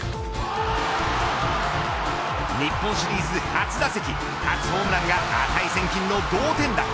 日本シリーズ初打席初ホームランが値千金の同点打。